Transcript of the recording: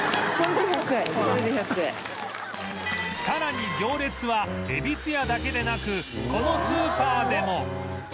さらに行列はゑびすやだけでなくこのスーパーでも